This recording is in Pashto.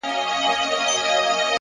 په دقيقه کي مسلسل له دروازې وځم!!